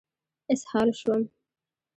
اسهال شوم.